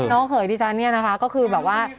เขยที่ฉันเนี่ยนะคะก็คือแบบว่า